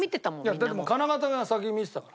だって金型が先に見えてたから。